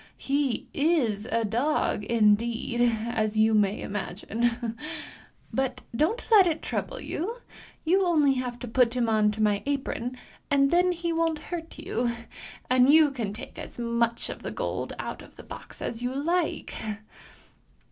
He is a dog, indeed, as you may imagine! But don't let it trouble you; you only have to put him on to my apron and then he won't hurt you, and you can take as much gold out of the box as you like!